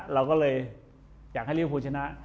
เราก็เลยอยากให้ชน้า